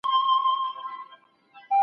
که تدریس منظم روان وي، وخت نه ضایع کېږي.